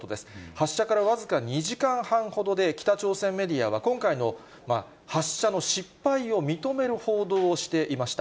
発射から僅か２時間半ほどで、北朝鮮メディアは、今回の発射の失敗を認める報道をしていました。